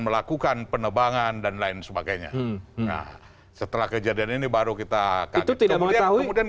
melakukan penebangan dan lain sebagainya setelah kejadian ini baru kita itu tidak mau tahu dan